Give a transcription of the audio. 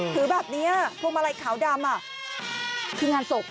ถือแบบนี้พวกเมล็ดขาวดำอ่ะคืองานศพ